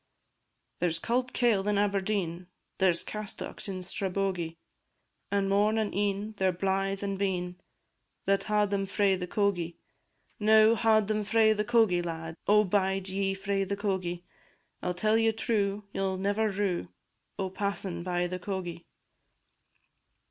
There 's cauld kail in Aberdeen, There 's castocks in Strabogie; And morn and e'en, they 're blythe and bein, That haud them frae the cogie. Now, haud ye frae the cogie, lads; O bide ye frae the cogie! I 'll tell ye true, ye 'll never rue, O' passin' by the cogie.